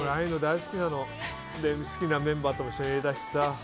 好きなメンバーと一緒にいれたしさ。